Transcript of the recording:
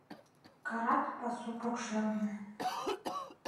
Карат пасу покшелне